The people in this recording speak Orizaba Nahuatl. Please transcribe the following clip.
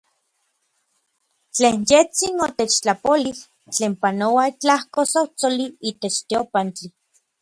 Tlen yejtsin otechtlapolij, tlen panoua itlajko tsotsoli itech teopantli.